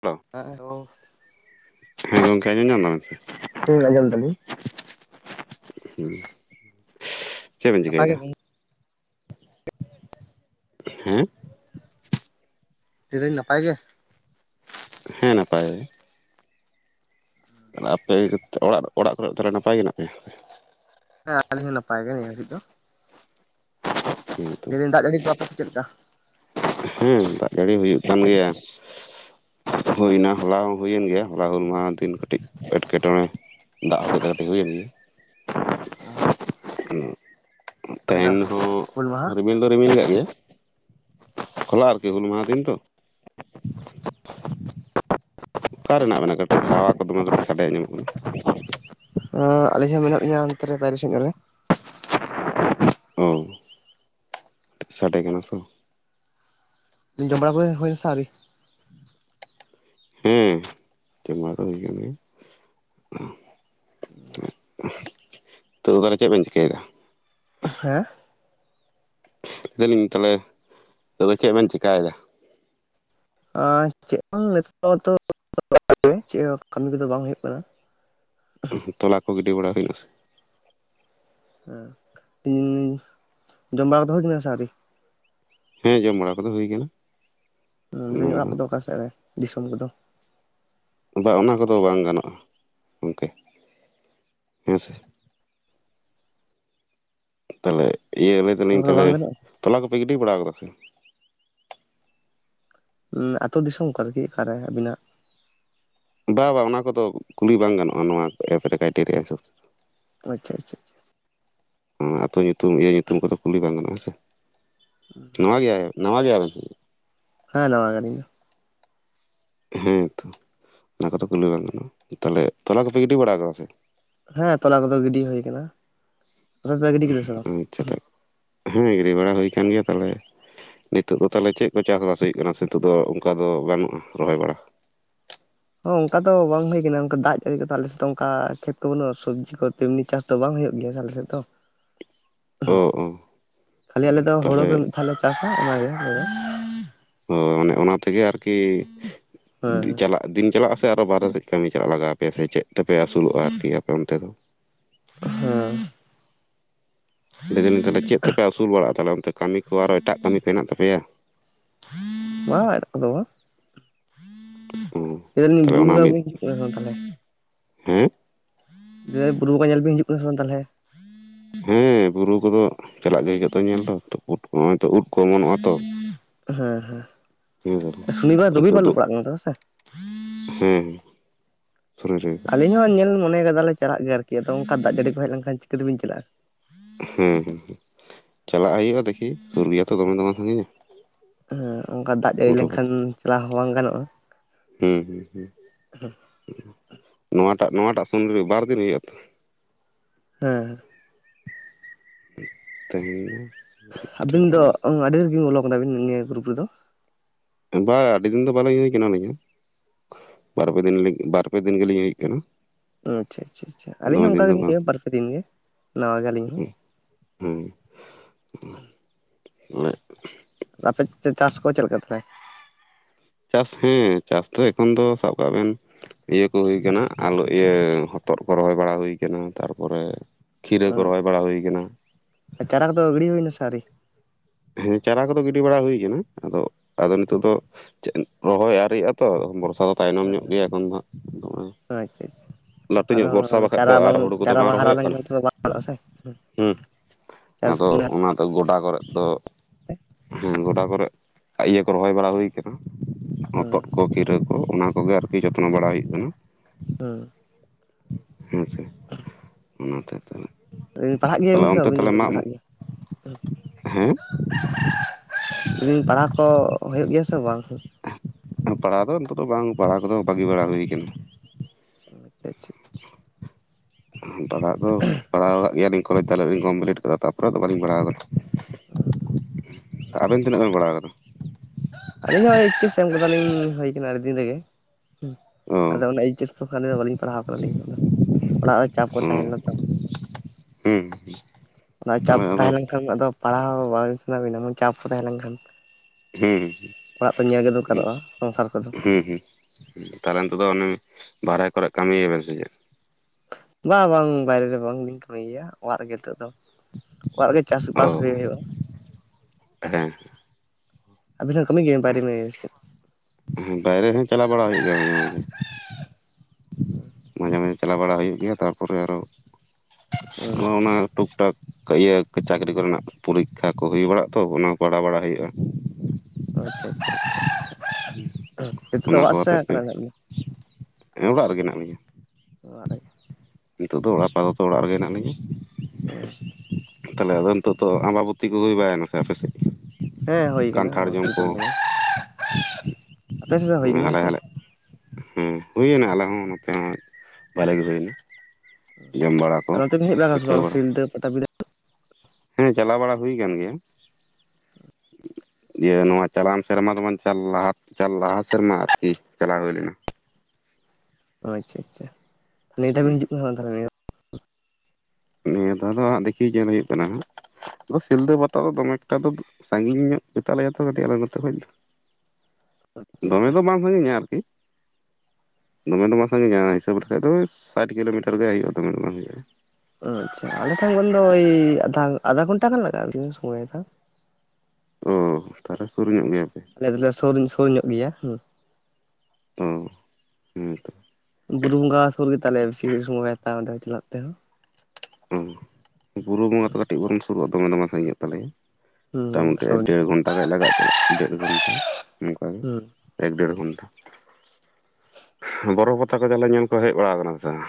Hello ᱦᱮᱸ ᱜᱚᱝᱠᱮ ᱟᱸᱡᱚᱢ ᱧᱟᱢ ᱫᱟᱵᱮᱱ ᱥᱮ [unintelligible] ᱦᱳᱭ ᱟᱡᱚᱢ ᱫᱟᱞᱤᱧ᱾ ᱦᱩᱸ, ᱪᱮᱜ ᱮᱢ ᱱᱟᱯᱟᱭ ᱪᱤᱠᱟᱭᱫᱟ? ᱜᱮ ᱦᱮᱸ ᱞᱟᱹᱭᱫᱟᱹᱧ ᱱᱟᱯᱟᱭ ᱜᱮ? ᱦᱮᱸ, ᱱᱟᱯᱟᱭ ᱜᱮ᱾ ᱟᱯᱮ [unintelligible] ᱚᱲᱟᱜ ᱚᱲᱟᱜ ᱠᱚᱨᱮ ᱛᱟᱦᱞᱮ ᱱᱟᱯᱟᱭ ᱜᱮ ᱦᱮᱱᱟᱜ ᱯᱮᱭᱟ? ᱦᱮᱸ ᱟᱹᱞᱤᱧ ᱦᱚᱸ ᱱᱟᱯᱟᱭ ᱜᱮ ᱱᱤᱭᱟᱹ ᱜᱷᱟᱲᱤᱡ ᱫᱚ ᱾ [unintelligible] ᱫᱟᱜ ᱡᱟᱹᱲᱤ ᱠᱚ ᱟᱯ ᱥᱮᱱ ᱪᱮᱫ ᱞᱮᱠᱟ? ᱦᱩᱸ ᱫᱟᱜ ᱡᱟᱹᱲᱤ ᱦᱩᱭᱩᱜ ᱠᱟᱱ ᱜᱮᱭᱟ ᱾ ᱦᱩᱭ ᱮᱱᱟ ᱦᱚᱞᱟ ᱦᱚᱸ ᱦᱩᱭᱮᱱ ᱜᱮᱭᱟ, ᱦᱚᱞᱟ ᱦᱩᱞᱢᱟᱦᱟ ᱫᱤᱱ ᱠᱟᱹᱴᱤᱡ ᱮᱸᱴᱠᱮᱴᱚᱬᱮ ᱾ ᱫᱟᱜ ᱦᱚᱛᱮᱡ ᱛᱮ ᱠᱟᱹᱴᱤᱡ ᱦᱩᱭᱮᱱ [unintelligible] ᱠᱮᱫᱟ ᱛᱮᱦᱮᱧ ᱦᱩᱞ ᱢᱟᱦᱟ ᱦᱚᱸ, ᱨᱤᱢᱤᱞ ᱫᱚ ᱨᱤᱢᱤᱞ ᱠᱟᱜ ᱜᱮᱭᱟ ᱾ ᱦᱚᱞᱟ ᱟᱨᱠᱤ ᱦᱩᱞ ᱢᱟᱦᱟ ᱫᱤᱱ ᱛᱚ ᱾ ᱚᱠᱟ ᱨᱮ ᱢᱮᱱᱟᱜ ᱵᱤᱱᱟ? ᱠᱟᱹᱴᱤᱡ ᱦᱟᱣᱟ ᱠᱚ ᱫᱚᱢᱮ ᱠᱟᱹᱴᱤᱡ ᱥᱟᱰᱮ ᱟᱡᱚᱢᱚᱜ ᱠᱟᱱᱟ ᱾ ᱚ ᱟᱞᱤᱧ ᱦᱚᱸ ᱢᱮᱱᱟᱜ ᱞᱤᱧᱟ ᱚᱱᱛᱮ ᱨᱮ, ᱵᱟᱭᱨᱮ ᱥᱮᱫ ᱨᱮ ᱾ ᱚ, ᱥᱟᱰᱮ ᱠᱟᱱᱟ ᱛᱚ ᱾ ᱡᱚᱢ ᱵᱟᱲᱟ ᱠᱚ ᱦᱩᱭ ᱦᱩᱭᱱᱟ ᱥᱮ ᱟᱹᱣᱨᱤ? ᱦᱩᱸ, ᱡᱚᱢ ᱵᱟᱲᱟ ᱠᱚ ᱫᱚ ᱦᱩᱭ ᱠᱟᱱ ᱜᱮᱭᱟ ᱾ [unintelligible] [unintelligible] ᱛᱚ ᱛᱟᱦᱚᱞᱮ ᱪᱮᱫ ᱵᱮᱱ ᱪᱤᱠᱟᱹᱭᱮᱫᱼᱟ? ᱦᱮᱸ᱾ ᱞᱟᱹᱭᱞᱤᱧ ᱛᱟᱦᱚᱞᱮ ᱛᱚ ᱪᱮᱫ ᱵᱮᱱ ᱪᱮᱠᱟᱭᱮᱫᱼᱟ? ᱟᱨ ᱪᱮᱫ ᱱᱤᱛᱚᱜ ᱫᱚ [unintelligible] ᱪᱮᱫ ᱦᱚᱸ ᱠᱟᱹᱢᱤ ᱠᱚᱫᱚ ᱵᱟᱝ ᱦᱩᱭᱩᱜ ᱠᱟᱱᱟ ᱾ ᱛᱚᱞᱟ ᱠᱚ ᱜᱤᱰᱤ ᱵᱟᱲᱟ ᱦᱩᱭᱱᱟ ᱥᱮᱼᱼ [unintelligible] ᱦᱮᱸ ᱡᱚᱢ ᱵᱟᱲᱟ ᱫᱚᱦᱚᱠᱤ [unintelligible] ᱥᱮ ᱟᱹᱣᱨᱤ? ᱦᱮᱸ ᱡᱚᱢ ᱵᱟᱲᱟ ᱠᱚᱫᱚ ᱦᱩᱭ ᱟᱠᱟᱱᱟ ᱾ ᱟᱹᱧ [unintelligible] ᱚᱲᱟᱜ ᱠᱚᱫᱚ ᱚᱠᱟ ᱥᱮᱫ ᱨᱮ, ᱫᱤᱥᱚᱢ ᱠᱚᱫᱚ? ᱵᱟ ᱚᱱᱟ ᱠᱚᱫᱚ ᱵᱟᱝ ᱜᱟᱱᱚᱜᱼᱟ ᱜᱚᱝᱠᱮ, ᱦᱮᱸᱥᱮ ᱾ ᱛᱚ ᱤᱭᱟᱹ ᱱᱚᱣᱟ ᱞᱟᱹᱭᱫᱟᱞᱤᱧ ᱠᱚᱫᱚ ᱛᱟᱦᱚᱞᱮ ᱵᱟᱝ ᱜᱟᱱᱚᱜᱼᱟ ᱛᱚᱞᱟ ᱠᱚᱯᱮ ᱜᱤᱰᱤ ᱵᱟᱲᱟ ᱟᱠᱟᱫᱟ ᱥᱮ? ᱩᱸ ᱟᱛᱳ ᱫᱤᱥᱚᱢ ᱚᱠᱟᱠᱮ ᱚᱠᱟᱨᱮ [unintelligible] ᱟᱵᱤᱱᱟᱜ? ᱵᱟᱝ ᱵᱟᱝ ᱚᱱᱟ ᱠᱚᱫᱚ ᱠᱩᱲᱤ ᱵᱟᱝ ᱜᱟᱱᱚᱜᱼᱟ, ᱱᱚᱣᱟ ᱮᱯ ᱨᱮ ᱠᱨᱟᱭᱴᱮᱨᱤᱭᱟ ᱦᱤᱥᱟᱹᱵᱽ ᱛᱮ ᱾ ᱟᱪᱪᱷᱟ ᱟᱪᱪᱷᱟ ᱾ ᱮᱸ ᱟᱛᱩ ᱧᱩᱛᱩᱢ, ᱤᱭᱟᱹ ᱧᱩᱛᱩᱢ ᱠᱚᱫᱚ ᱠᱩᱲᱤ ᱵᱟᱝ ᱜᱟᱱᱚᱜᱼᱟ ᱦᱮᱸᱥᱮ ᱾ ᱦᱩᱸ [unintelligible] ᱱᱚᱣᱟ ᱜᱮᱭᱟ, ᱱᱟᱣᱟ ᱜᱮᱭᱟ ᱵᱮᱱ? ᱦᱮᱸ ᱱᱟᱣᱟ ᱜᱮᱭᱟᱞᱤᱧ ᱾ ᱦᱮᱩᱸ ᱚᱱᱟ ᱠᱚᱫᱚ ᱠᱩᱞᱤ ᱵᱟᱝ ᱜᱟᱱᱚᱜ-ᱟ, ᱛᱟᱦᱚᱞᱮ ᱛᱚᱞᱟ ᱠᱚᱯᱮ ᱜᱤᱰᱤ ᱵᱟᱲᱟ ᱟᱠᱟᱫᱟ ᱥᱮ? ᱦᱮᱸ ᱛᱚᱞᱟ ᱠᱚᱫᱚ ᱜᱤᱰᱤ ᱦᱩᱭ ᱟᱠᱟᱱᱟ ᱾ ᱟᱪᱪᱷᱟ [unintelligible] ᱦᱮᱸ ᱜᱤᱰᱤ ᱵᱟᱲᱟ ᱦᱩᱭ ᱠᱟᱱ ᱜᱮᱭᱟ ᱛᱟᱦᱚᱞᱮ ᱾ ᱱᱤᱛᱚᱜ ᱫᱚ ᱛᱟᱦᱚᱞᱮ ᱪᱮᱫ ᱠᱚ ᱪᱟᱥ ᱵᱟᱥ ᱦᱩᱭᱩᱜ ᱠᱟᱱᱟ? ᱱᱤᱛᱚᱜ ᱫᱚ ᱚᱱᱠᱟ ᱫᱚ ᱵᱟᱱᱩᱜᱼᱟ ᱨᱚᱦᱚᱭ ᱵᱟᱲᱟᱼᱼ ᱦᱚᱸ ᱚᱱᱠᱟ ᱫᱚ ᱵᱟᱝ ᱦᱩᱭ ᱟᱠᱟᱱᱟ ᱚᱱᱠᱟ ᱫᱟᱜ ᱡᱟᱲᱤ ᱠᱚᱫᱚ ᱟᱞᱮᱥᱮᱫ ᱫᱚ ᱚᱱᱠᱟ ᱠᱷᱮᱛ ᱫᱚ ᱵᱟᱹᱱᱩᱜᱼᱟ, ᱥᱚᱵᱽᱡᱤ ᱠᱚᱼᱼ ᱛᱮᱢᱱᱤ ᱪᱟᱥ ᱫᱚ ᱵᱟᱝ ᱦᱩᱭᱩᱜ ᱜᱮᱭᱟ ᱟᱞᱮᱥᱮᱫ ᱛᱚ ᱾ [unintelligible] ᱠᱷᱟᱹᱞᱤ ᱟᱞᱮ ᱫᱚ ᱦᱩᱲᱩ ᱛᱟᱦᱚᱞᱮ ᱜᱮ ᱢᱤᱫ ᱫᱷᱟᱣ ᱞᱮ ᱪᱟᱥᱟ ᱚᱱᱟᱜᱮᱼᱼ ᱦᱚ ᱚᱱᱮ ᱚᱱᱟ ᱛᱮᱜᱮ ᱟᱨᱠᱤ, ᱪᱟᱞᱟᱜ ᱫᱤᱱ ᱪᱟᱞᱟᱜ ᱟᱥᱮ ᱟᱨᱚ ᱵᱟᱨᱦᱮ ᱥᱮᱫ ᱠᱟᱹᱢᱤ ᱪᱟᱞᱟᱜ ᱞᱟᱜᱟᱣᱚᱜᱼᱟ ᱾ ᱟᱯᱮ ᱥᱮ ᱪᱮᱫ ᱛᱮᱯᱮ ᱟᱹᱥᱩᱞᱚᱜᱼᱟ ᱟᱨᱠᱤ ᱟᱯᱮ ᱚᱱᱛᱮ ᱫᱚ? ᱦᱮᱸ [unintelligible] ᱞᱟᱹᱭ ᱫᱟᱞᱤᱧ ᱛᱟᱦᱚᱞᱮ ᱪᱮᱫ ᱛᱮᱯᱮ ᱟᱹᱥᱩᱞ ᱵᱟᱲᱟᱜᱼᱟ, ᱛᱟᱦᱚᱞᱮ ᱚᱱᱛᱮ ᱠᱟᱹᱢᱤ ᱠᱚ ᱟᱨᱚ ᱮᱴᱟᱜ ᱠᱟᱹᱢᱤ ᱠᱚ ᱦᱮᱱᱟᱜ ᱛᱟᱯᱮᱭᱟ? ᱵᱟᱝ ᱮᱲᱟᱴ ᱠᱚᱫᱚ ᱵᱟᱝ᱾ ᱚ ᱞᱟᱹᱭ ᱫᱟᱞᱤᱧ ᱛᱟᱦᱚᱞᱮ ᱵᱩᱨᱩ ᱚᱱᱟ ᱵᱚᱸᱜᱟ ᱵᱤᱱ ᱢᱤᱫ ᱦᱤᱡᱩᱜ ᱠᱟᱱᱟ ᱥᱮ ᱵᱟᱝ ᱛᱟᱦᱚᱞᱮ? ᱦᱮᱸ ᱡᱮ ᱵᱩᱨᱩ ᱵᱚᱸᱜᱟᱜ ᱧᱮᱞ ᱵᱤᱱ ᱦᱤᱡᱩᱜ ᱠᱟᱱᱟ ᱥᱮ ᱵᱟᱝ ᱛᱟᱦᱚᱞᱮ? ᱦᱮᱸ ᱵᱩᱨᱩ ᱠᱚᱫᱚ ᱪᱟᱞᱟᱜ ᱜᱮ ᱛᱚ ᱧᱮᱞ ᱫᱚ ᱩᱫ ᱦᱚᱦᱚᱭ ᱛᱚ ᱩᱫᱼᱼ ᱦᱮᱸ ᱦᱮᱸ, ᱦᱮᱸ ᱥᱮ ᱵᱟᱝ ᱥᱚᱱᱤ ᱵᱟᱨ ᱨᱚᱵᱤ ᱵᱟᱨ ᱦᱤᱞᱚᱜ ᱯᱟᱲᱟᱜ ᱠᱟᱱᱟ ᱛᱚ ᱥᱮᱼᱼ ᱦᱩᱸ ᱾ ᱟᱞᱤᱧ ᱦᱚᱸ ᱧᱮᱞ ᱢᱚᱱᱮ ᱠᱟᱫᱟᱞᱤᱧ ᱪᱟᱞᱟᱜ ᱜᱮᱭᱟ ᱟᱨᱠᱤ, ᱟᱫᱚ ᱚᱱᱠᱟ ᱫᱟᱜ ᱡᱟᱹᱲᱤ ᱠᱚ ᱦᱮᱡ ᱞᱮᱱᱠᱷᱟᱱ ᱪᱤᱠᱟᱹᱛᱮᱵᱤᱱ ᱪᱟᱞᱟᱜᱼᱟ? ᱦᱩᱸ ᱦᱩᱸ ᱪᱟᱞᱟᱜ ᱦᱩᱭᱩᱜᱼᱟ ᱫᱮᱠᱷᱤ, ᱥᱩᱨ ᱜᱮᱭᱟ ᱛᱚ ᱫᱚᱢᱮ ᱫᱚ ᱵᱟᱝ ᱥᱟᱜᱤᱧᱟ ᱾ ᱦᱮᱸ ᱚᱱᱠᱟ ᱫᱟᱜ ᱡᱟᱹᱲᱤ ᱞᱮᱱᱠᱷᱟᱱ ᱪᱟᱞᱟᱣ ᱦᱚᱸ ᱵᱟᱝ ᱜᱟᱱᱚᱜᱼᱟ ᱾ ᱦᱩᱸ ᱦᱩᱸ ᱦᱩᱸ ᱾ ᱦᱮᱸᱻ ᱱᱚᱣᱟᱴᱟᱜ-ᱱᱚᱣᱟᱴᱟᱜ ᱥᱩᱱᱤ, ᱨᱚᱵᱤ ᱵᱟᱨ ᱫᱤᱱ ᱦᱩᱭᱩᱜ-ᱟ ᱛᱚ ᱦᱮᱸᱻᱦᱮᱸᱻ ᱛᱟᱦᱮᱱᱟ ᱟᱹᱵᱤᱱ ᱫᱚ ᱟᱹᱰᱤ ᱫᱤᱱ ᱚᱞᱚᱜ ᱠᱟᱱᱟᱵᱤᱱ ᱱᱤᱭᱟᱹ ᱜᱨᱩᱯ ᱨᱮᱫᱚ ᱵᱟᱝ ᱟᱹᱰᱤ ᱫᱤᱱ ᱫᱚ ᱵᱟᱹᱞᱤᱧ ᱦᱩᱭ ᱠᱟᱱᱟ ᱟ. ᱞᱤᱧᱟ ᱵᱟᱨᱯᱮ ᱫᱤᱱ ᱵᱟᱨᱯᱮ ᱫᱤᱱ ᱜᱮᱞᱤᱧ ᱦᱮᱡ ᱟᱠᱟᱱᱟ ᱟᱪᱷᱟ-ᱟᱪᱷᱟ, ᱟᱪᱷᱟ ᱟᱹᱞᱤᱧ ᱫᱚᱢᱮ ᱦᱚᱸ ᱫᱤᱱ ᱚᱱᱠᱟ ᱫᱚ ᱵᱟᱝ ᱜᱮᱞᱤᱧᱼᱟ ᱵᱟᱨᱯᱮ ᱫᱤᱱ ᱜᱮ ᱱᱟᱣᱟ ᱜᱮ ᱟᱹᱞᱤᱧ ᱦᱚᱸ ᱦᱮᱸᱻ ᱟᱯᱮ ᱛᱮ ᱪᱟᱥ ᱠᱚ ᱪᱮᱫ ᱞᱮᱠᱟ ᱛᱟᱦᱞᱮ ᱪᱟᱥ ᱦᱮᱸ ᱪᱟᱥ ᱫᱚ ᱮᱠᱷᱚᱱ ᱫᱚ ᱥᱟᱵ ᱠᱟᱜ ᱵᱮᱱ ᱤᱭᱟᱹ ᱠᱚ ᱦᱩᱭ ᱟᱠᱟᱱᱟ ᱟᱞᱩ ᱤᱭᱟᱹ ᱦᱚᱛᱚᱫ ᱠᱚ ᱨᱚᱦᱚᱭ ᱵᱟᱲᱟ ᱦᱩᱭ ᱟᱠᱟᱱᱟ ᱛᱟᱨᱯᱚᱨᱮ ᱠᱷᱤᱨᱟᱹ ᱠᱚ ᱨᱚᱦᱚᱭ ᱵᱟᱲᱟ ᱦᱩᱭ ᱟᱠᱟᱱᱟ᱾ ᱟᱨ ᱪᱟᱨᱟ ᱠᱚᱫᱚ ᱜᱤᱲᱤ ᱦᱩᱭ ᱱᱟᱥᱮ ᱟᱹᱣᱨᱤ ᱦᱮᱸ ᱪᱟᱨᱟ ᱠᱚᱫᱚ ᱜᱤᱰᱤ ᱵᱟᱲᱟ ᱦᱩᱭ ᱠᱟᱱᱟ ᱟᱫᱚ, ᱟᱫᱚ ᱱᱤᱛᱚᱜ ᱫᱚ ᱪᱮᱫ ᱨᱚᱦᱚᱭ ᱟᱹᱣᱨᱤᱜ ᱟ ᱛᱚ ᱵᱚᱨᱥᱟ ᱫᱚ ᱛᱟᱭᱱᱚᱢ ᱧᱚᱜ ᱦᱮᱸ ᱜᱮᱭᱟ ᱮᱠᱷᱚᱱ ᱫᱚ ᱦᱟᱜ ᱫᱚᱢᱮ ᱟᱪᱪᱷᱟ ᱟᱪᱪᱷᱟ ᱟᱫᱚ ᱪᱟᱨᱟ ᱵᱟᱝ-ᱪᱟᱨᱟ ᱵᱟᱝ ᱦᱟᱨᱟ ᱨᱚᱦᱚᱭᱚᱜ ᱠᱟᱱᱟ ᱞᱮᱱᱠᱷᱟᱱ ᱛ ᱵᱟᱝ ᱜᱟᱱᱚᱜᱼᱟ ᱥᱮ ᱦᱮᱸ ᱦᱮᱸᱻ ᱚᱱᱟᱫᱚ ᱟᱫᱚ ᱜᱚᱰᱟ ᱠᱚᱨᱮ ᱫᱚ ᱪᱮᱫ ᱦᱚᱸ ᱵᱟᱝ ᱟᱸᱡᱚᱢᱚᱜ ᱠᱟᱱᱟ ᱦᱮᱸ ᱜᱚᱰᱟ ᱠᱚᱨᱮ ᱤᱭᱟᱹ ᱠᱚᱸ ᱨᱚᱦᱚᱭ ᱵᱟᱲᱟ ᱦᱩᱭ ᱟᱠᱟᱱᱟ ᱦᱩᱸ ᱦᱚᱛᱚᱫ ᱠᱚ ᱠᱷᱤᱨᱟᱹ ᱛᱚ ᱚᱱᱟ ᱠᱚᱜᱮ ᱟᱨᱠᱤ ᱡᱚᱛᱱᱚ ᱵᱟᱲᱟ ᱦᱩᱭᱩᱜ ᱠᱟᱱᱟ ᱦᱮᱸᱻ ᱦᱮᱸᱥᱮ ᱛᱟᱦᱚᱞᱮ ᱤᱭᱟᱹ ᱯᱟᱲᱦᱟᱜ ᱜᱮᱭᱟ ᱛᱟᱦᱚᱞᱮ ᱵᱤᱱ ᱥᱮ ᱚᱱᱛᱮ ᱟᱵᱤᱱ ᱫᱚ ᱛᱟᱦᱚᱞᱮ ᱵᱟᱵᱮᱱ ᱢᱟᱜ ᱯᱟᱲᱦᱟᱜ ᱜᱤᱭᱟ? ᱞᱟᱹᱭ ᱦᱮᱸ ᱫᱟ. ᱧ ᱯᱟᱲᱦᱟᱜ ᱠᱚ ᱦᱩᱭᱩᱜ ᱜᱮᱭᱟ ᱥᱮ ᱵᱟᱝ ᱯᱟᱲᱦᱟᱣ ᱫᱚ ᱱᱤᱛᱚᱜ ᱫᱚ ᱵᱟᱝ ᱯᱟᱲᱦᱟᱣ ᱠᱚᱫᱚ ᱵᱟᱜᱤ ᱵᱟᱲᱟ ᱦᱩᱭ ᱟᱠᱟᱱᱟ ᱟᱪᱷᱟ -ᱟᱪᱷᱟ ᱯᱟᱲᱦᱟᱜ ᱠᱚᱸᱫᱚ ᱯᱟᱲᱦᱟᱣ ᱠᱟᱜ ᱜᱮᱭᱟᱞᱤᱧ ᱠᱚᱞᱮᱡᱽ ᱛᱟᱞᱟ ᱦᱟᱹᱵᱤᱧ ᱠᱚᱢᱯᱤᱞᱤᱴ ᱟᱠᱟᱫᱟ ᱛᱟᱨᱯᱚᱨᱮ ᱟᱫᱚ ᱵᱟᱞᱤᱧ ᱯᱟᱲᱦᱟᱣ ᱠᱟᱫᱟ ᱦᱩᱸ ᱟᱵᱮᱱ ᱛᱤᱱᱟᱹᱜ ᱵᱮᱱ ᱯᱟᱲᱦᱟᱣ ᱟᱠᱟᱫᱟ? ᱟᱹᱞᱤᱧ ᱢᱟ ᱮᱭᱤᱪᱮᱥ ᱮᱢ ᱠᱟᱫᱟ ᱵᱟ. ᱞᱤᱧ ᱦᱩᱭ ᱟᱠᱟᱱᱟ ᱟᱹᱰᱤ ᱫᱤᱱ ᱨᱮᱜᱮ ᱦᱩᱸ ᱚ ᱟᱫᱚ ᱚᱱᱟ ᱮᱭᱤᱪᱮᱥ ᱵᱟᱹᱞᱤᱧ ᱯᱟᱲᱦᱟᱣ ᱠᱟᱫᱟ ᱟᱞᱤᱧ ᱫᱚ ᱚᱲᱟᱜ ᱨᱮ ᱪᱟᱯ ᱠᱚ ᱚ ᱛᱟᱦᱮᱸ ᱞᱮᱱᱟ ᱛᱚ ᱦᱩᱸ ᱚᱱᱟ ᱪᱟᱯ ᱛᱟᱦᱚᱞᱮ ᱟᱫᱚ ᱛᱟᱦᱮᱸᱞᱮᱱᱠᱷᱟᱱ ᱟᱫᱚ ᱯᱟᱲᱦᱟᱣ ᱵᱟᱝ ᱥᱟᱱᱟ ᱦᱩᱭᱱᱟ ᱚᱱᱟ ᱪᱟᱯ ᱠᱚ ᱛᱟᱦᱮᱸᱞᱮᱱᱠᱷᱟᱱ ᱦᱮᱸᱻᱦᱮᱸ ᱚᱲᱟᱜ ᱛᱚ ᱧᱮᱞ ᱜᱮ ᱫᱚᱨᱠᱟᱨᱚᱜᱼᱟ ᱥᱚᱝᱥᱟᱨ ᱠᱚᱫᱚ ᱦᱩᱸ ᱦᱩᱸ ᱛᱟᱦᱚᱞᱮ ᱱᱤᱛᱚᱜ ᱫᱚ ᱵᱟᱨᱦᱮ ᱠᱚᱨᱮ ᱠᱟᱹᱢᱤᱭᱟ ᱵᱱ ᱥᱮ ᱪᱮᱫ? ᱵᱟᱝ-ᱵᱟᱝ ᱵᱟᱭᱨᱮ ᱨᱮ ᱵᱟᱝᱞᱤᱧ ᱠᱟᱹᱢᱤ ᱜᱮᱭᱟ ᱚᱲᱟᱜ ᱨᱮᱜᱤ ᱱᱤᱛᱚᱜ ᱫᱚ ᱚᱲᱟᱜ ᱨᱮᱜᱮ ᱚ ᱪᱟᱥ-ᱵᱟᱥ ᱜᱮ ᱦᱩᱭᱩᱜᱼᱟ᱾ ᱦᱮᱸ ᱟᱵᱤᱱᱦᱚᱵᱤᱱ ᱠᱟᱹᱢᱤ ᱜᱮᱭᱟ ᱵᱟᱭᱨᱮ ᱢᱟᱭᱨᱮ ᱥᱮᱫ ᱦᱩᱸ ᱵᱟᱭᱨᱮ ᱦᱚᱸ ᱪᱟᱞᱟᱣ ᱵᱟᱲᱟ ᱦᱩᱭᱩᱜ ᱜᱮᱭᱟ ᱢᱟᱡᱷᱮ-ᱢᱟᱡᱷᱮ ᱦᱩᱸ ᱢᱟᱡᱷᱮ-ᱢᱟᱡᱷᱮ ᱪᱟᱞᱟᱣ ᱵᱟᱲᱟ ᱦᱩᱭᱩᱜ ᱜᱮᱭᱟ ᱛᱟᱨᱯᱚᱨᱮ ᱟᱨᱚ, ᱟᱨᱚ ᱚᱱᱟ ᱴᱩᱠ-ᱴᱟᱠ ᱠᱟᱹᱡ ᱤᱭᱟᱹ ᱪᱟᱹᱠᱨᱤ ᱠᱚᱨᱮᱱᱟᱜ ᱯᱚᱨᱤᱠᱷᱟ ᱠᱚ ᱦᱩᱭ ᱵᱟᱲᱟᱜᱼᱟ ᱛᱚ ᱚᱱᱟ ᱠᱚ ᱵᱟᱲᱟ ᱦᱩᱭᱩᱜᱼᱟ᱾ ᱟᱪᱷᱟ- ᱟᱪᱷᱟ, ᱟᱪᱷᱟ ᱚᱱᱟ ᱠᱚ ᱣᱟᱛᱮᱫ ᱜᱮ ᱟᱫᱚ ᱚᱲᱟᱜ ᱨᱮᱜᱮ ᱢᱮᱱᱟᱜ ᱞᱤᱧᱟ ᱚᱲᱟᱜ ᱨᱮ ᱜᱮ ᱱᱤᱛᱚᱜ ᱫᱚ ᱚᱲᱟᱜ ᱛᱚ ᱚᱲᱟᱜ ᱨᱮᱜᱮ ᱦᱮᱱᱟᱜ ᱞᱤᱧᱟ [inaudible] ᱛᱟᱦᱚᱞᱮ ᱟᱫᱚ ᱱᱤᱛᱚᱜ ᱫᱚ, ᱟᱢᱵᱟᱵᱟᱹᱛᱤ ᱠᱚ ᱦᱩᱭ ᱵᱟᱲᱟᱭᱮᱱᱟ ᱥᱮ ᱟᱯᱮ ᱥᱮᱫ ᱦᱮᱸ ᱦᱩᱭ ᱠᱟᱱᱟ᱾ ᱠᱟᱱᱴᱷᱟᱲ ᱡᱚᱢ ᱟᱢᱵᱟᱵᱚᱛᱤ ᱠᱚ ᱫᱚ ᱟᱯᱮ ᱥᱮᱫ ᱦᱚᱸ ᱦᱩᱭ ᱠᱟᱱᱟ ᱦᱮᱸᱥᱮ᱾ ᱦᱩᱭᱱᱟ ᱟᱞᱮ ᱦᱚᱸ ᱱᱚᱛᱮ ᱦᱚᱸ ᱵᱷᱟᱞᱮ ᱜᱮ ᱦᱩᱭᱮᱱᱟ᱾ ᱡᱚᱢ ᱵᱟᱲᱟ ᱠᱚ ᱟᱫᱚ ᱱᱚᱛᱮ ᱵᱤᱱ ᱦᱮᱡ ᱵᱟᱲᱟ ᱣᱟᱠᱟᱱᱟ ᱥᱮ ᱵᱟᱝ ᱥᱤᱞᱫᱟᱹ ᱯᱟᱴᱟᱵᱤᱸᱫᱟᱹ? ᱦᱮᱸ ᱪᱟᱞᱟᱣ ᱵᱟᱲᱟ ᱦᱩᱭ ᱟᱠᱟᱱ ᱜᱮᱭᱟ᱾ ᱡᱮ ᱱᱚᱣᱟ ᱪᱟᱞᱟᱣᱮᱱ ᱥᱮᱨᱢᱟ ᱫᱚᱵᱟᱝ ᱪᱟᱨ ᱞᱟᱦᱟ ᱪᱟᱨ ᱞᱟᱦᱟ ᱥᱮᱨᱢᱟ ᱟᱨᱠᱤ ᱪᱟᱞᱟᱣ ᱦᱩᱭ ᱞᱮᱱᱟ᱾ ᱚ ᱟᱪᱪᱷᱟ ᱟᱪᱪᱷᱟ ᱱᱤᱭᱟᱹ ᱫᱷᱟᱣ ᱵᱤᱱ ᱦᱤᱡᱩᱜ ᱠᱟᱱᱟ ᱦᱚᱸ ᱛᱟᱦᱚᱞᱮ ᱟᱪᱪᱷᱟ ᱱᱤᱭᱟᱹ ᱫᱷᱟᱣ ᱫᱚ ᱦᱟᱸᱜ ᱫᱮᱠᱷᱤ ᱧᱮᱞ ᱦᱩᱭᱩᱜ ᱠᱟᱱᱟ ᱦᱟᱸᱜ ᱟᱫᱚ ᱥᱤᱞᱫᱟᱹ ᱯᱟᱛᱟ ᱫᱚ ᱫᱚᱢᱮ ᱮᱠᱴᱟ ᱫᱚ ᱥᱟᱺᱜᱤᱧ ᱧᱚᱜ ᱜᱮᱛᱟ ᱞᱮᱭᱟ ᱛᱚ, ᱠᱟᱹᱴᱤᱡ ᱟᱞᱮ ᱱᱚᱛᱮ ᱠᱷᱚᱡ ᱫᱚ᱾ ᱟᱪᱪᱷᱟ ᱫᱚᱢᱮ ᱟᱪᱪᱷᱟ ᱫᱚ ᱵᱟᱝ ᱥᱟᱝᱜᱤᱧᱟ ᱟᱨᱠᱤ ᱫᱚᱢᱮ ᱫᱚᱢ ᱥᱟᱺᱜᱤᱧᱼᱟ, ᱦᱤᱥᱟᱹᱵᱽ ᱞᱮᱠᱷᱟᱡ ᱫᱚ, ᱟᱴ ᱠᱤᱞᱳᱢᱤᱴᱟᱨ ᱜᱮ ᱦᱩᱭᱩᱜᱼᱟ, ᱫᱚᱢᱮ ᱵᱟᱝ ᱦᱩᱭᱩᱜᱼᱟ᱾ ᱟᱪᱪᱷᱟ ᱟᱞᱮᱴᱷᱮᱱ ᱠᱷᱚᱱ ᱫᱚ ᱳᱭ ᱟᱫᱷᱟ ᱟᱫᱷᱟ ᱜᱷᱚᱱᱴᱟ ᱜᱟᱱ ᱞᱟᱜᱟᱜᱼᱟ ᱠᱤ ᱥᱚᱢᱚᱭ ᱫᱚ᱾ ᱚᱻ ᱛᱟᱦᱞᱮ ᱥᱩᱨ ᱧᱚᱜ ᱜᱮᱭᱟᱯᱮ᱾ ᱟᱞᱮ ᱫᱚᱞᱮ ᱥᱩᱨ ᱥᱩᱨ ᱧᱚᱜ ᱜᱮᱭᱟᱸ᱾ ᱚ ᱦᱮᱸ ᱛᱚ᱾ ᱵᱩᱨᱩ ᱵᱚᱸᱜᱟ ᱥᱩᱨ ᱜᱮᱛᱟᱞᱮ ᱵᱮᱥᱤ ᱜᱷᱤᱡ ᱥᱚᱢᱚᱭ ᱦᱟᱛᱟ ᱚᱸᱰᱮ ᱪᱟᱞᱟᱜ ᱛᱮ ᱾ ᱚ ᱵᱩᱨᱩ ᱵᱚᱸᱜᱟ ᱛᱚ ᱠᱟᱹᱴᱤᱡ ᱵᱩᱞᱢ ᱥᱩᱨᱩᱜᱼᱟ, ᱫᱚᱢᱮ ᱫᱚᱢᱮ ᱥᱟᱺᱜᱧᱚᱜ ᱛᱟᱞᱮᱭᱟ᱾ ᱦᱩᱸ ᱢᱳᱴᱟᱢᱩᱴᱤ ᱥᱩᱨ ᱰᱮᱲ ᱜᱮᱭᱟ ᱜᱷᱚᱱᱴᱟ ᱜᱟᱱ ᱞᱟᱜᱟᱜᱼᱟ, ᱪᱟᱞᱟᱜ ᱰᱮᱲ ᱜᱷᱚᱱᱟ ᱚᱱᱠᱟᱜᱮ ᱦᱩᱸ ᱾ ᱮᱠ ᱰᱮᱲ ᱜᱷᱚᱱᱴᱟ ᱵᱚᱨᱚᱯᱷ ᱯᱟᱛᱟ ᱠᱚ ᱛᱟᱦᱞᱮ ᱧᱮᱞ ᱠᱚ ᱦᱮᱡ ᱵᱟᱲᱟ ᱟᱠᱟᱱᱟ ᱥᱮ ᱵᱟᱝ?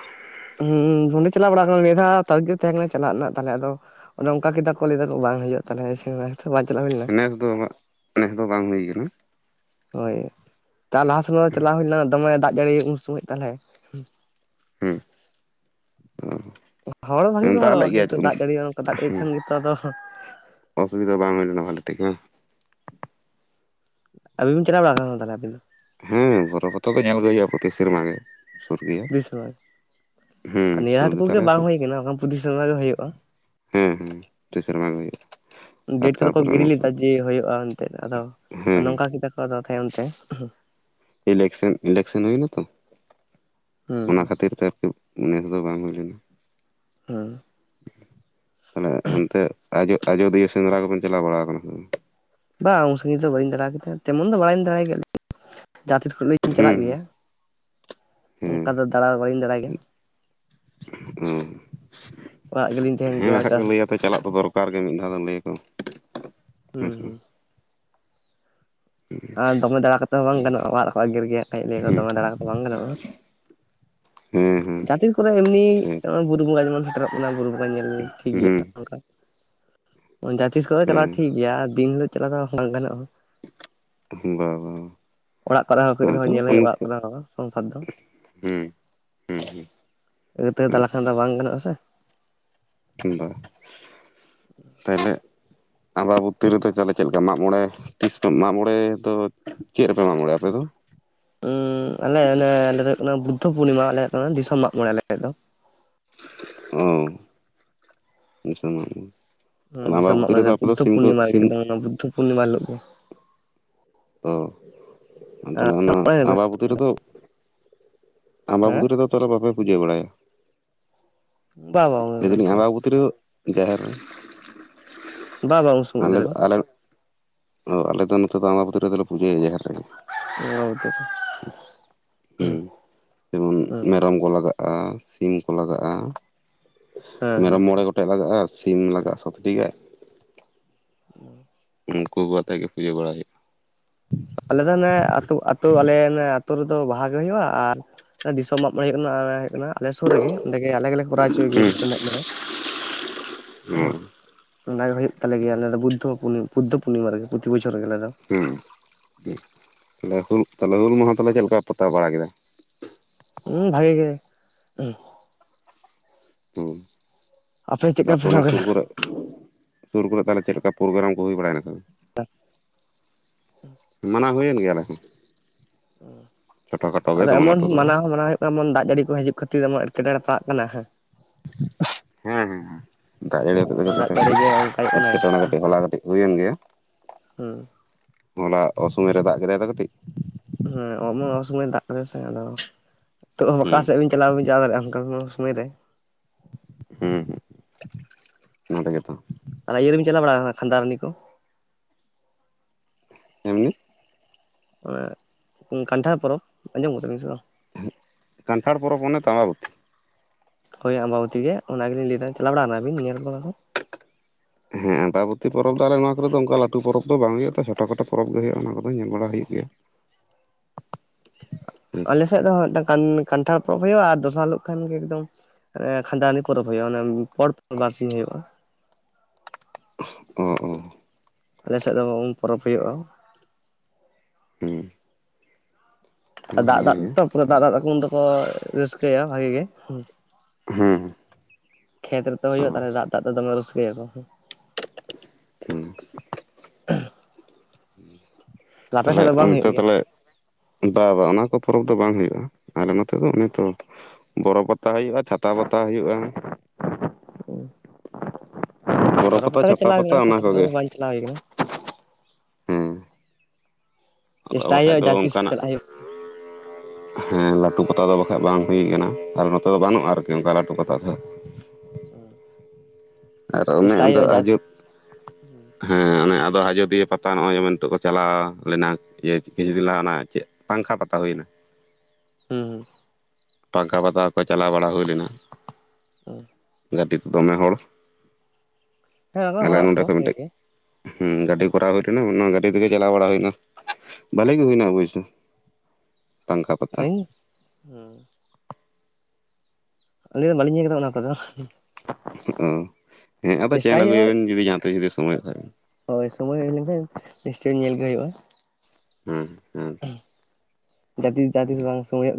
ᱦᱩᱸ ᱚᱸᱰᱮ ᱪᱟᱞᱟ ᱵᱟᱲᱟ ᱟᱠᱟᱱᱟ ᱱᱤᱭᱟᱹ ᱫᱷᱟᱣ ᱛᱟᱨᱤᱠᱷ ᱛᱟᱦᱮᱸ ᱠᱟᱱᱟ ᱪᱟᱞᱟᱜ ᱨᱮᱱᱟᱜ ᱛᱟᱦᱚᱞᱮ ᱟᱫᱚ ᱚᱱᱮ ᱚᱱᱠᱟ ᱠᱮᱫᱟ ᱠᱚ ᱞᱟᱹᱭᱟ ᱠᱚ ᱵᱟᱝ ᱦᱩᱭᱩᱜᱼᱟ, ᱛᱟᱦᱚᱞᱮ ᱵᱟᱝ ᱪᱟᱞᱟᱶ ᱦᱩᱭ ᱞᱮᱱᱟ᱾ ᱱᱮᱥ ᱫᱚ ᱦᱟᱜ ᱱᱮᱥ ᱫᱚ ᱵᱟᱝ ᱦᱩᱭ ᱟᱠᱟᱱᱟ᱾ ᱦᱳᱭ ᱞᱟᱦᱟ ᱥᱚᱢᱚᱭ ᱫᱚ ᱪᱟᱞᱟᱣ ᱦᱩᱭ ᱞᱮᱱᱟ, ᱫᱚᱢᱮ ᱫᱟᱜ ᱡᱟᱹᱲᱤᱭ ᱩᱱ ᱥᱚᱢᱚᱭ ᱛᱟᱦᱚᱞᱮ᱾ ᱦᱮᱸ [unintelligible] ᱦᱚᱲ ᱵᱷᱟᱜᱤ ᱠᱚ ᱫᱟᱜ ᱞᱮᱫ ᱦᱚᱲᱚᱜᱼᱟ, ᱠᱤᱱᱛᱩ ᱜᱮᱭᱟᱭ ᱫᱟᱜ ᱡᱟᱹᱲᱤ ᱱᱚᱝᱠᱟ ᱫᱟᱜ ᱡᱟᱹᱲᱤᱭ ᱠᱷᱟᱱ ᱜᱮᱛᱚ ᱟᱫᱚᱼᱼᱼ ᱚᱥᱩᱵᱤᱫᱷᱟ ᱵᱟᱝ ᱦᱩᱭ ᱞᱮᱱᱟ ᱴᱷᱤᱠᱟᱹ ᱾ ᱟᱵᱤᱱ ᱵᱤᱱ ᱪᱟᱣ ᱵᱟᱲᱟ ᱟᱠᱟᱱᱟ ᱠᱟᱱᱟ ᱛᱟᱦᱚᱞᱮ ᱟᱵᱤᱱ ᱫᱚ? ᱦᱮᱸ ᱵᱚᱨᱚᱯᱚᱛᱚ ᱫᱚ ᱧᱮᱞᱜᱮ ᱦᱩᱭᱩᱜᱼᱟ᱾ ᱯᱚᱨᱛᱤ ᱥᱮᱨᱢᱟ ᱜᱮ᱾ ᱥᱩᱨ ᱜᱮᱭᱟ ᱵᱤᱥᱚᱭ ᱦᱮᱸ ᱱᱤᱭᱟᱹ ᱥᱩᱨ ᱦᱟᱴ ᱠᱩ ᱜᱮ ᱜᱮᱛᱟᱞᱮᱭᱟ ᱛᱚ ᱵᱟᱝ ᱦᱩᱭ ᱠᱟᱱᱟ ᱚᱱᱟ ᱯᱚᱨᱤᱥᱢᱟ ᱜᱮ ᱦᱩᱭᱩᱜᱭᱼᱟ᱾ ᱦᱮᱸ ᱦᱮᱸ ᱯᱚᱛᱤ ᱥᱮᱨᱢᱟ ᱜᱮ ᱦᱩᱭᱩᱜᱼᱟ᱾ ᱰᱮᱴ ᱟᱨ ᱠᱚᱫᱚ ᱠᱚ ᱛᱟᱨᱯᱚᱨᱮ ᱜᱤᱰᱤ ᱱᱚᱛᱮ ᱞᱮᱫᱟ ᱡᱮ, ᱦᱩᱭᱩᱜᱼᱟ᱾ ᱮᱱᱛᱮᱫ ᱟᱫᱚ ᱦᱮᱸ ᱱᱚᱝᱠᱟ ᱜᱮ ᱠᱚ ᱠᱚ ᱫᱚ ᱠᱷᱟᱱ ᱟᱱᱛᱮ ᱤᱞᱮᱠᱥᱮᱱ ᱤᱞᱮᱠᱥᱮᱱ ᱦᱩᱭᱱᱟᱛᱚ, ᱦᱩᱸ ᱚᱱᱟ ᱦᱩᱸ ᱠᱷᱟᱹᱛᱤᱨ ᱛᱮᱠᱤ ᱱᱮᱥ ᱫᱚ ᱵᱟᱝ ᱦᱩᱭ ᱞᱮᱱᱟ᱾ [unintelligible] ᱛᱟᱦᱮ ᱦᱟᱱᱛᱮ ᱟᱡ ᱟᱡᱚᱫᱤᱭᱟᱹ ᱥᱮᱸᱫᱽᱨᱟ ᱠᱚᱵᱮᱱ ᱪᱟᱞᱟᱣ ᱵᱟᱲᱟ ᱠᱟᱱᱟ? ᱵᱟ ᱩᱱ ᱥᱟᱹᱜᱤᱧ ᱫᱚ ᱵᱟᱹᱧ ᱫᱟᱲᱟ ᱠᱮᱫᱟ ᱛᱮᱢᱚᱱ ᱫᱚ ᱵᱟᱲᱟᱭᱧ ᱫᱟᱲᱟᱭ ᱠᱮᱫᱭᱟ ᱡᱟᱦᱟᱸ ᱛᱤᱥ ᱧ ᱪᱟᱞᱟᱜ ᱦᱩᱸ ᱜᱮᱭᱟ, ᱚᱱᱠᱟ ᱫᱚ ᱫᱟᱬᱟ ᱫᱚ ᱵᱟᱞᱤᱧ ᱫᱟᱬᱟᱭ ᱜᱮᱭᱟ᱾ ᱚ ᱚᱲᱟᱜ ᱜᱮᱞᱤᱧ ᱛᱟᱦᱮᱱ ᱦᱮᱸ ᱜᱮᱭᱟ ᱵᱟᱠᱷᱟᱡ ᱠᱚ ᱪᱟᱥ ᱞᱟᱹᱭᱟ ᱛᱚ ᱪᱟᱞᱟᱜ ᱫᱚ ᱫᱚᱨᱠᱟᱨ ᱠᱟᱨ ᱜᱮ ᱢᱤᱫ ᱫᱷᱟᱣ ᱫᱚ ᱞᱟᱹᱭ ᱟᱠᱚ ᱦᱩᱸ ᱦᱮᱸᱥᱮ ᱵᱟᱝ᱾ ᱦᱩᱸ ᱟᱨ ᱫᱚᱢᱮ ᱫᱟᱲᱟ ᱠᱟᱛᱮᱫ ᱦᱚᱸ ᱵᱟᱝ ᱜᱟᱱᱚᱜᱼᱟ, ᱚᱲᱟᱜ ᱠᱚᱸ ᱮᱜᱮᱨ ᱜᱮᱭᱟ, ᱠᱟᱹᱡ ᱞᱟᱹᱭᱟᱠᱚ ᱫᱚᱢᱮ ᱫᱟᱰᱟ ᱠᱟᱛᱮᱫ ᱵᱟᱝ ᱜᱟᱱᱚᱜᱼᱟ᱾ ᱦᱮᱸ ᱦᱮᱸ ᱦᱮᱸ ᱡᱟᱦᱟᱛᱤᱥ ᱠᱚᱨᱮ ᱮᱢᱱᱤ ᱴᱷᱤᱠ ᱱᱳᱚᱭ ᱵᱩᱨᱩ ᱵᱚᱸᱜᱟ ᱡᱮᱢᱚᱱ ᱥᱮᱴᱮᱨᱚᱜ ᱠᱟᱱᱟ ᱵᱩᱨᱩ ᱵᱚᱸᱜᱟ ᱧᱮᱞ ᱴᱷᱤᱠ ᱦᱩᱸ ᱜᱮᱭᱟ ᱚᱱᱠᱟ᱾ ᱡᱟᱦᱟᱸ ᱛᱤᱥ ᱠᱚᱨᱮᱜ ᱪᱟᱞᱟᱣ ᱴᱷᱤᱠ ᱦᱮᱸ ᱜᱮᱭᱟ, ᱫᱤᱱ ᱫᱚ ᱪᱟᱞᱟᱜᱣ ᱫᱚ ᱵᱟᱝ ᱜᱟᱱᱚᱜᱼᱟ᱾ ᱵᱟᱝ - ᱵᱟᱝ ᱚᱲᱟᱜ ᱠᱚᱨᱮᱦᱚᱸ ᱠᱟᱹᱡ ᱨᱮᱦᱚᱸ ᱧᱮᱞ ᱦᱩᱭᱩᱜᱼᱟ, ᱚᱲᱟᱜ ᱠᱚᱨᱮ ᱥᱚᱝᱥᱟᱨ ᱫᱚ᱾ ᱦᱩᱸ ᱟᱹᱶᱲᱟᱹ ᱛᱟᱹᱶᱲᱟᱹ ᱫᱟᱲᱟ ᱠᱷᱟᱱ ᱫᱚ ᱵᱟᱝ ᱜᱟᱱᱚᱜᱼᱟ ᱥᱮ᱾ ᱵᱟᱝ ᱛᱟᱦᱞᱮ ᱟᱵᱟᱵᱚᱛᱤᱨᱮᱫᱚ ᱛᱟᱦᱞᱮ ᱪᱮᱫ ᱢᱟᱜᱽᱢᱚᱬᱮ ᱛᱤᱥ ᱢᱟᱜ ᱢᱚᱬᱮ ᱫᱚ ᱪᱮᱫ ᱨᱮᱯᱮ ᱢᱟᱜᱽ ᱢᱚᱬᱮᱭᱟ ᱟᱯᱮᱫ ᱫᱚ? ᱦᱸ ᱟᱞᱮ ᱟᱞᱮ ᱫᱚ ᱦᱩᱭᱩᱜ ᱠᱟᱱᱟ, ᱵᱩᱫᱽᱫᱷᱚ ᱯᱩᱨᱱᱤᱢᱟ ᱟᱞᱮ ᱫᱚ ᱦᱩᱭᱩᱜ ᱠᱟᱱᱟ, ᱫᱤᱥᱚᱢ ᱢᱟᱜ ᱢᱚᱬᱮ ᱟᱞᱮ ᱫᱚ᱾ ᱚ [unintelligible] ᱛᱟᱦᱚᱞᱮ ᱫᱤᱥᱚ ᱟᱢᱵᱟᱵᱚᱛᱤ ᱨᱮᱫᱚ ᱢᱟᱜᱽᱢᱬᱮ ᱟᱯᱮ ᱫᱚ ᱵᱩᱫᱽᱫᱷᱚ ᱥᱤᱢ ᱠᱚ ᱯᱩᱨᱱᱤᱢᱟ ᱥᱤᱢ ᱮᱠᱫᱚᱢ ᱚᱱᱟ ᱵᱩᱫᱽᱫᱷᱚ ᱯᱩᱨᱱᱤᱢᱟ ᱦᱤᱞᱳᱜ ᱜᱮ᱾ ᱚ ᱛᱟᱦᱚᱞᱮ ᱚᱱᱟ ᱟᱸᱵᱟᱵᱚᱛᱤ ᱨᱮᱫᱚ, ᱟᱢᱵᱟ ᱵᱩᱫ ᱦᱮᱸ ᱨᱮᱫᱚ ᱛᱟᱦᱚᱞᱮ ᱵᱟᱯᱮ ᱯᱩᱡᱟᱹ ᱵᱟᱲᱟᱭᱟ᱾ ᱵᱟ ᱞᱟᱹᱭ ᱵᱟᱝ ᱫᱟᱞᱤᱧ ᱟᱸᱵᱟᱵᱡᱛᱤ ᱨᱮ ᱡᱟᱦᱮᱨ ᱨᱮ, ᱵᱟ ᱵᱟᱝ ᱩᱱ ᱥᱚᱢᱚᱭ ᱫᱚ ᱟᱞᱮ ᱫᱚ ᱟᱞᱮ ᱚ ᱟᱞᱮ ᱫᱚ ᱱᱚᱛᱮ ᱫᱚ ᱟᱸᱵᱟᱵᱚᱛᱤ ᱨᱮᱫᱚᱞᱮ ᱯᱩᱡᱟᱹᱭᱟ ᱡᱟᱦᱮᱨ ᱨᱮ᱾ ᱚ [unintelligible] ᱦᱩᱸ, ᱡᱮᱢᱚᱱ ᱦᱮᱸ ᱢᱮᱨᱚᱢ ᱠᱚ ᱞᱟᱜᱟᱜᱼᱟ᱾ ᱟ ᱥᱤᱢ ᱠᱚ ᱞᱟᱜᱟᱜᱼᱟ, ᱦᱮᱸ ᱦᱮᱸ ᱢᱮᱨᱚᱢ ᱢᱚᱬᱮ ᱜᱚᱴᱮᱡ ᱞᱟᱜᱼᱟ ᱥᱤᱢ ᱞᱟᱜᱼᱟ ᱥᱟᱛ ᱴᱷᱤ ᱜᱟᱡ, ᱚ ᱩᱱᱠᱩ ᱠᱚ ᱟᱛᱮᱜ ᱜᱮ ᱯᱩᱡᱟᱹ ᱵᱟᱲᱟᱭ ᱦᱩᱭᱩᱜᱼᱟ᱾ ᱟᱞᱮ ᱫᱚ ᱚᱱᱮ ᱟᱹᱛᱩ ᱟᱹᱛᱩ ᱟᱞᱮ ᱟᱹᱛᱩ ᱨᱮᱫᱚ ᱵᱟᱦᱟ ᱜᱮ ᱦᱩᱭᱩᱜᱼᱟ ᱟᱨ, ᱫᱤᱥᱚᱢ ᱢᱟᱜ ᱢᱚᱲᱮ ᱦᱩᱭᱩᱜ ᱠᱟᱱᱟ ᱟᱨ ᱦᱩᱭᱩᱜ ᱠᱟᱱᱟ᱾ ᱟᱞᱮ ᱥᱩᱨ ᱨᱮᱜᱮ ᱚᱸᱰᱮ ᱜᱮ ᱟᱞᱮ ᱜᱮᱞᱮ ᱠᱚᱨᱟᱣ ᱦᱚᱪᱚᱭ ᱜᱮᱭᱟ ᱦᱩᱭᱩᱜᱼᱟ ᱫᱤᱥᱚᱢᱟᱜ ᱢᱚᱬᱮ᱾ ᱦᱩᱸ, ᱚᱱᱟᱜᱮ ᱦᱩᱭᱩᱜ ᱛᱟᱞᱮᱭᱟ ᱟᱞᱮ ᱫᱚ ᱵᱩᱫᱽᱫᱚ ᱯᱩᱨᱱᱤ, ᱵᱩᱫᱽᱫᱚ ᱯᱩᱨᱱᱤᱢᱟ ᱨᱮᱜᱮ ᱯᱚᱛᱤ ᱵᱚᱪᱷᱚᱨ ᱨᱮᱜᱮ ᱟᱞᱮ ᱫᱚ᱾ ᱦᱮᱸ [unintelligible] ᱦᱩᱞ ᱢᱟᱦᱟ ᱛᱟᱦᱮᱞᱮ ᱪᱮᱫ ᱞᱮᱠᱟ ᱯᱟᱛᱟᱣ ᱵᱟᱲᱟ ᱠᱮᱫᱟ᱾ ᱦᱩᱸ ᱵᱷᱟᱜᱮ ᱜᱮ᱾ ᱦᱩ ᱟᱯᱮ ᱪᱮᱫᱠᱟ ᱯᱮ ᱛᱟᱯᱚᱨ ᱚᱱᱟ ᱢᱟᱱᱟᱣ ᱥᱩᱨ ᱠᱮᱫᱟ ᱠᱚᱨᱮᱜ, ᱥᱩᱨ ᱠᱚᱨᱮ ᱛᱟᱦᱚᱞᱮ ᱪᱮᱫ ᱞᱮᱠᱟ ᱯᱨᱳᱜᱨᱟᱢ ᱠᱚ ᱦᱩᱭ ᱵᱟᱲᱟᱭ ᱱᱟᱜ᱾ ᱢᱟᱱᱟᱣ ᱦᱩᱭᱮᱱ ᱜᱮᱭᱟᱞᱮ ᱦᱚᱸ᱾ ᱪᱷᱳᱴᱳ ᱠᱷᱟᱴᱳ ᱜᱮ ᱟᱫᱚ ᱫᱚᱢᱮ ᱮᱢᱚᱱ ᱞᱟᱹᱴᱩ ᱫᱚ ᱵᱟᱝ ᱢᱟᱱᱟᱣ ᱦᱚᱸ ᱢᱟᱱᱟᱣ ᱦᱩᱭᱩᱜ, ᱡᱮᱢᱚᱱ ᱫᱟᱜ ᱡᱟᱹᱲᱤ ᱠᱚ ᱦᱤᱡᱩᱜ ᱠᱷᱟᱹᱛᱤᱨ ᱛᱮ ᱮᱢᱚᱱ ᱮᱴᱠᱮᱴᱚᱲᱮ ᱯᱟᱲᱟᱜ ᱠᱟᱱᱟ ᱦᱮᱸ, ᱦᱮᱸ ᱦᱮᱸ ᱫᱟᱜ ᱡᱟᱹᱲᱤ ᱠᱟᱛᱮ ᱫᱟᱜ ᱡᱟᱹᱲᱤ ᱠᱟᱹᱴᱤᱡ ᱜᱮ ᱚᱱᱠᱟ ᱦᱩᱭᱩᱜ ᱠᱟᱱᱟᱭ ᱮᱴᱠᱮᱴᱚᱬᱮ ᱠᱟᱹᱴᱤᱡ ᱦᱚᱞᱟ ᱠᱟᱹᱴᱤᱡ ᱦᱩᱭᱮᱱ ᱜᱮᱭᱟ᱾ ᱦᱮᱸ, ᱦᱚᱞᱟ ᱚᱥᱩᱚᱢᱚᱭ ᱨᱮ ᱫᱟᱜ ᱠᱮᱫᱟᱭ ᱛᱚ ᱠᱟᱹᱴᱤᱡ᱾ ᱦᱮᱸ ᱚᱢᱚ ᱚᱥᱚᱢᱚᱭ ᱫᱟᱜ ᱠᱮᱫᱟᱭ ᱥᱮ ᱟᱫᱚ ᱱᱤᱛ ᱚᱠᱟ ᱦᱩᱸ ᱥᱮᱫ ᱵᱤᱱ ᱪᱟᱞᱟᱶ ᱦᱚ ᱵᱟᱹᱵᱤᱱ ᱪᱟᱞᱟᱶ ᱫᱟᱲᱮᱭᱟᱜᱼᱟ ᱚᱱᱠᱟ ᱥᱚᱢᱚᱭ ᱨᱮ᱾ ᱦᱮᱸ ᱦᱮᱸ ᱚᱱᱟ ᱛᱮᱜᱮ ᱛᱚ, ᱟᱨ ᱤᱭᱟᱹ ᱨᱮᱵᱤᱱ ᱪᱟᱞᱟ ᱵᱟᱲᱟ ᱠᱟᱱᱟ ᱠᱷᱟᱱᱫᱟᱨᱟᱱᱤ ᱠᱚ᱾ ᱮᱢᱱᱮ, ᱚᱱᱮ ᱠᱟᱱᱴᱷᱟᱲ ᱯᱚᱨᱚᱵᱽ ᱟᱸᱡᱚᱢ ᱠᱟᱫᱟ ᱵᱤᱱ ᱥᱮ ᱵᱟᱝ? ᱦᱩ ᱠᱟᱱᱴᱷᱟᱲ ᱯᱚᱨᱚᱵᱽ ᱚᱱᱮ ᱛᱚ ᱟᱢᱟᱵᱚᱛᱤ᱾ ᱦᱳᱭ ᱟᱢᱵᱟᱵᱚᱛᱤ ᱜᱮ ᱚᱱᱟ ᱜᱮ ᱞᱤᱧ ᱞᱟᱹᱭ ᱫᱟ ᱪᱟᱞᱟᱣ ᱵᱟᱲᱟ ᱠᱟᱱᱟ ᱵᱤᱱ ᱧᱮᱞ ᱵᱟᱲᱟ ᱠᱚ ᱚᱱᱟ ᱠᱚ, [unintelligible] ᱦᱮᱸ ᱟᱢᱵᱟᱵᱚᱛᱤ ᱯᱚᱨᱚᱵᱽ ᱫᱚ ᱟᱞᱮ ᱱᱚᱣᱟ ᱠᱚᱨᱮ ᱫᱚ ᱚᱱᱠᱟ ᱞᱟᱴᱩ ᱯᱚᱨᱚᱵᱽ ᱫᱚ ᱵᱟᱝ ᱦᱩᱭᱩᱜᱼᱟ ᱪᱷᱚᱴᱟ ᱠᱷᱳᱴᱟ ᱯᱚᱨᱚᱵᱽ ᱜᱮ ᱦᱩᱭᱩᱜᱼᱟ ᱚᱱᱟ ᱠᱚᱫᱚ ᱧᱮᱞ ᱵᱟᱲᱟ ᱦᱩᱭᱩᱜ ᱜᱮᱭᱟ᱾ [inaudible] ᱟᱞᱮ ᱥᱮᱫ ᱫᱚ ᱦᱚᱸ ᱢᱤᱫᱴᱟᱝ ᱠᱟᱱ ᱠᱟᱱᱴᱷᱟᱲ ᱯᱚᱨᱚᱵᱽ ᱦᱩᱭᱩᱜᱼᱟ ᱟᱨ ᱫᱚᱥᱟᱨ ᱦᱤᱞᱳᱜ ᱠᱷᱟᱱ ᱜᱮ ᱮᱠᱫᱚᱢ, ᱠᱷᱟᱱᱫᱟᱱᱤ ᱯᱚᱨᱚᱵᱽ ᱦᱩᱭᱩᱜᱼᱟ ᱯᱚᱨ ᱯᱚᱨ ᱵᱟᱨᱥᱤᱧ ᱦᱩᱭᱩᱜᱼᱟ᱾ ᱚ ᱚ, ᱟᱞᱮᱥᱮᱫ ᱫᱚ ᱩᱢ ᱯᱚᱨᱚᱵᱽ ᱦᱩᱭᱩᱜᱼᱟ᱾ ᱦᱩᱸ ᱟᱨ ᱫᱟᱜ ᱵᱷᱟᱞᱮ ᱫᱟᱜ ᱜᱮ ᱛᱮ ᱫᱟᱜ ᱫᱟᱜ ᱛᱮᱠᱚ ᱩᱱ ᱫᱚᱠᱚ ᱨᱟᱹᱥᱠᱟᱹᱭᱟ ᱵᱷᱟᱜᱤ ᱜᱮᱸ᱾ ᱦᱩᱸ, ᱠᱷᱮᱛ ᱨᱮᱛᱚ ᱦᱩᱸ ᱚ ᱦᱩᱭᱩᱜᱼᱟ ᱛᱟᱦᱟᱞᱮ ᱫᱟᱜ ᱫᱟᱜ ᱫᱚᱢᱮ ᱨᱟᱹᱥᱠᱟᱹᱭᱟᱠᱚ᱾ ᱦᱮᱸ, ᱟᱯᱮ ᱛᱟᱦᱞᱮ ᱥᱮᱫ ᱫᱚ ᱵᱟᱝ ᱚᱱᱛᱮ ᱦᱩᱭᱩᱜ ᱜᱮᱭᱟ? ᱛᱟᱞᱮ ᱵᱟ ᱵᱟ ᱚᱱᱟ ᱠᱚ ᱯᱚᱨᱚᱵᱽ ᱫᱚ ᱵᱟᱝ ᱦᱩᱭᱩᱜᱼᱟ ᱟᱞᱮ ᱱᱚᱛᱮ ᱫᱚ ᱚᱱᱮ ᱛᱚ, ᱵᱚᱨᱚ ᱯᱟᱛᱟ ᱦᱩᱭᱩᱜᱼᱟ ᱪᱷᱟᱛᱟ ᱯᱟᱛᱟ ᱦᱩᱭᱩᱜᱼᱟ᱾ [unintelligible] ᱵᱚᱨᱚ ᱯᱟᱛᱟ ᱜᱮ ᱪᱟᱞᱟᱣ ᱟᱠᱟᱱᱟ ᱪᱷᱟᱛᱟ ᱯᱟᱛᱟ ᱦᱚᱸ ᱵᱟᱝ ᱪᱟᱞᱟᱣ ᱦᱩᱭ ᱠᱟᱱᱟ ᱦᱮᱸ ᱟᱫᱚ ᱪᱮᱥᱴᱟᱭ ᱵᱟᱠᱷᱟᱡ ᱦᱩᱭᱩᱜᱼᱟ ᱫᱚ ᱡᱟᱦᱟ ᱛᱤᱥ ᱚᱱᱠᱟᱱᱟᱜ ᱪᱟᱞᱟᱜ ᱦᱩᱭᱩᱜᱼᱟ ᱦᱮᱸ ᱞᱟᱹᱴᱩ ᱯᱟᱛᱟ ᱫᱚ ᱵᱟᱠᱷᱟᱡ ᱵᱟᱝ ᱦᱩᱭ ᱟᱠᱟᱱᱟ ᱟᱨ ᱱᱚᱛᱮ ᱫᱚ ᱵᱟᱹᱱᱩᱜᱼᱟ ᱟᱨᱠᱤ ᱚᱱᱠᱟ ᱞᱟᱹᱴᱩ ᱯᱟᱛᱟ ᱫᱚ ᱦᱟᱸᱜ ᱚ ᱟᱨ ᱚᱱᱮ ᱚᱸᱰᱮ ᱟᱡᱚᱫ..... ᱦᱩᱸ ᱦᱮᱸ ᱚᱱᱮ ᱟᱫᱚ ᱟᱡᱚᱫᱤᱭᱟᱹ ᱯᱟᱛᱟ ᱱᱚᱜᱼᱚᱭ ᱡᱮᱢᱚᱱ ᱱᱤᱛᱚᱜ ᱠᱚ ᱪᱟᱞᱟᱣ-ᱟ ᱞᱮᱱᱟᱠ.. ᱤᱭᱟᱹ ᱠᱤᱪᱷᱩ ᱫᱤᱱ ᱞᱟᱦᱟᱱᱟᱜ ᱪᱮᱫ ᱯᱟᱸᱠᱷᱟ ᱯᱟᱛᱟ ᱦᱩᱭ ᱮᱱᱟ ᱦᱩᱸ ᱦᱩᱸ ᱯᱟᱸᱠᱷᱟ ᱯᱟᱛᱟ ᱦᱚᱸ ᱠᱚ ᱪᱟᱞᱟᱣ ᱵᱟᱲᱟ ᱦᱩᱭ ᱞᱤᱱᱟ ᱚ ᱜᱟᱹᱰᱤ ᱛᱮ ᱫᱚᱢᱮ ᱦᱚᱲ ᱦᱮᱸ ᱚᱱᱟ ᱠᱚ ᱟᱞᱮ ᱦᱚᱲᱚᱜ ᱱᱚᱸᱰᱮ ᱟᱠᱚ ᱠᱷᱚᱱ ᱵᱷᱟᱜᱮ ᱢᱤᱫᱴᱮᱡ ᱜᱮ ᱦᱩᱸ ᱜᱟᱹᱰᱤ ᱠᱚᱨᱟᱣ ᱦᱩᱭ ᱞᱮᱱᱟ ᱚᱱᱟ ᱜᱟᱹᱰᱤ ᱛᱤᱜᱤ ᱪᱟᱞᱟᱣ ᱵᱟᱲᱟ ᱦᱩᱭᱱᱟ ᱵᱷᱟᱞᱮ ᱜᱤ ᱦᱩᱭᱱᱟ ᱚᱵᱚᱭᱥᱚ [inaudible] [unintelligible] ᱟᱹᱞᱤᱧ ᱫᱚ ᱵᱟᱹᱞᱤᱧ ᱧᱮᱞ ᱟᱠᱟᱫᱟ ᱚᱱᱟ ᱠᱚᱫᱚ ᱚ ᱦᱮᱸ ᱟᱫᱚ ᱧᱮᱱ ᱪᱮᱥᱴᱟᱭ ᱦᱩᱭᱩᱜᱼᱟ ᱟᱹᱜᱩᱭᱟᱵᱤᱱ ᱡᱩᱫᱤ ᱡᱟᱦᱟᱸ ᱛᱤᱥ ᱡᱩᱫᱤ ᱥᱚᱢᱚᱭᱳᱜ ᱠᱷᱟᱡ ᱵᱤᱱ ᱦᱳᱭ ᱥᱳᱢᱚᱭ ᱦᱩᱭ ᱞᱮᱱᱠᱷᱟᱱ ᱱᱤᱥᱪᱚᱭ ᱧᱮᱞ ᱜᱮ ᱦᱩᱭᱩᱜᱼᱟ ᱦᱩᱸ ᱦᱩᱸ ᱡᱟ ᱛᱤᱥ ᱡᱟ ᱛᱤᱥ ᱵᱟᱝ ᱥᱚᱢᱚᱭᱚᱜ ᱜᱮ